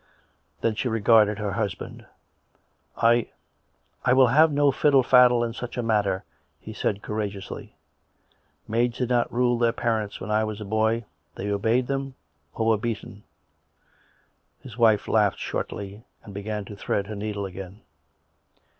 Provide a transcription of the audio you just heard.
Then she regarded her husband. " I ... I will have no fiddle faddle in such a matter," he said courageously. " Maids did not rule their parents when I was a boy; they obeyed them or were beaten." His wife laughed shortly; and began to thread her needle again.